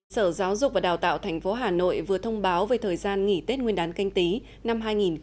sở giáo dục và đào tạo tp hà nội vừa thông báo về thời gian nghỉ tết nguyên đán canh tí năm hai nghìn hai mươi